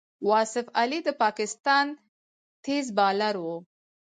واصف علي د پاکستان تېز بالر وو.